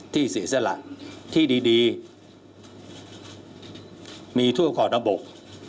ที่เสียสลัดที่ดีมีทั่วข้อระบบ